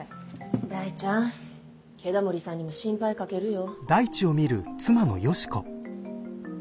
大ちゃん慶田盛さんにも心配かけるよ。